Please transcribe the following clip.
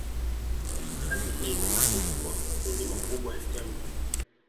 Hifadhi hii ni maarufu kwa makundi makubwa ya tembo